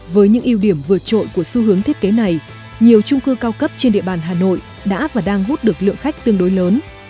với những ưu điểm vượt trội của xu hướng thiết kế này nhiều trung cư cao cấp trên địa bàn hà nội đã và đang hút được lượng khách tương đối lớn